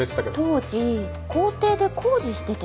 当時校庭で工事しててね